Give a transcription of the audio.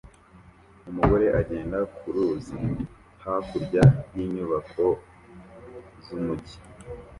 Umugore agenda ku ruzi hakurya y'inyubako z'umujyi